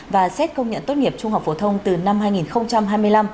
và xét công nhận tốt nghiệp trung học phổ thông từ năm hai nghìn hai mươi năm